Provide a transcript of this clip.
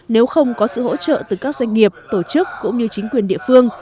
nếu không có sự hỗ trợ từ các doanh nghiệp tổ chức cũng như chính quyền địa phương